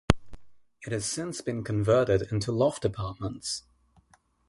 It has since been converted into loft apartments.